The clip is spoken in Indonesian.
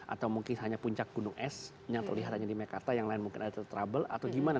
atau mungkin hanya puncak gunung es yang terlihat hanya di mekarta yang lain mungkin ada trouble atau gimana